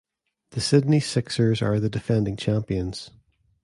The Sydney Sixers are the defending champions.